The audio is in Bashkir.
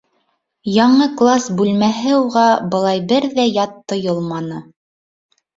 Яңы класс бүлмәһе уға былай бер ҙә ят тойолманы.